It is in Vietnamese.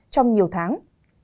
trong nhiều tháng